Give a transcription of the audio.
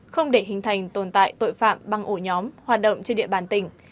không để hình thành tồn tại tội phạm băng ổ nhóm hoạt động trên địa bàn tỉnh